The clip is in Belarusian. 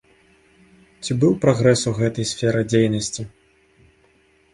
Ці быў прагрэс ў гэтай сферы дзейнасці?